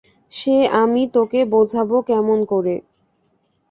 সে আমি তোকে বোঝাব কেমন করে!